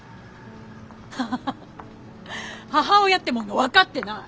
ハハハ母親ってもんが分かってない。